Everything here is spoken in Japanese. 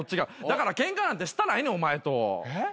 だからケンカなんてしたないねんお前と。えっ？